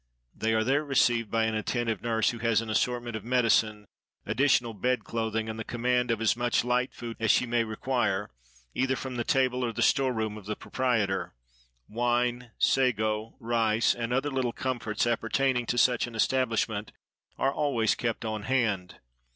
They are there received by an attentive nurse, who has an assortment of medicine, additional bed clothing, and the command of as much light food as she may require, either from the table or the store room of the proprietor. Wine, sago, rice, and other little comforts appertaining to such an establishment, are always kept on hand.